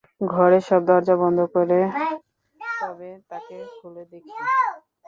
ঘরে সব দরজা বন্ধ করে তবে তাকে খুলে দেখি।